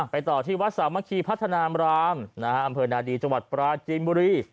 ต่อที่วัดสามัคคีพัฒนามรามอำเภอนาดีจังหวัดปราจีนบุรี